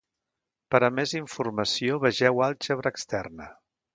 Per a més informació vegeu àlgebra externa.